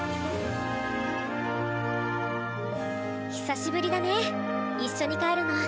久しぶりだね一緒に帰るの。